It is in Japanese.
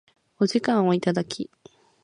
お時間をいただき